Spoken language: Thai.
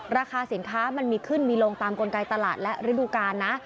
ราคาสินค้ามันมีขึ้นมีลงตามกลไกตลาดและฤดูกาลนะ